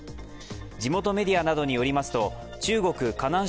地元メディアなどによりますと中国河南省